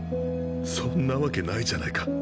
そんなわけないじゃないか。